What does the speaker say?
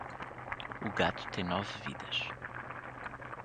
O gato tem nove vidas.